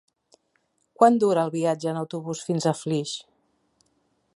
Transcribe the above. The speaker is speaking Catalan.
Quant dura el viatge en autobús fins a Flix?